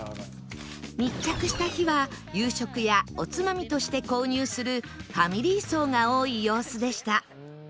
密着した日は夕食やおつまみとして購入するファミリー層が多い様子でした